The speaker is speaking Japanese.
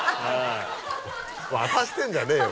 渡してんじゃねえよ